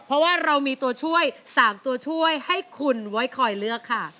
เพราะว่าเรามีตัวช่วย๓ตัวช่วยให้คุณไว้คอยเลือกค่ะ